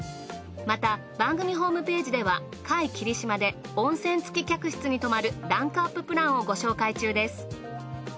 また番組ホームページでは界霧島で温泉付き客室に泊まるランクアッププランをご紹介中です。